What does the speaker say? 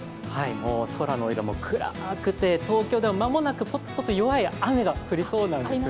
もう空の色も暗くて東京では間もなくポツポツ弱い雨が降りそうです。